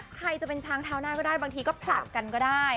ใครจะเป็นช้างเท้าหน้าก็ได้บางทีก็ผลักกันก็ได้